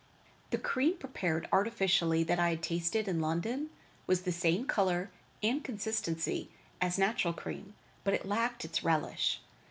The cream prepared artificially that I had tasted in London, was the same color and consistency as natural cream, but it lacked its relish.